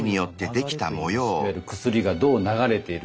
いわゆる薬がどう流れているか。